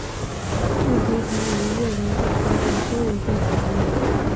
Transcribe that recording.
断头台于越南共和国都有被采用。